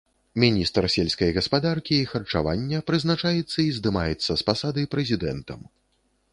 Міністр сельскай гаспадаркі і харчавання прызначаецца і здымаецца з пасады прэзідэнтам.